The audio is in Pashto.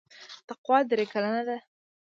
تقوا درې کلنه ده.